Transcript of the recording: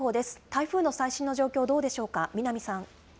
台風の最新の状況、どうでしょうか。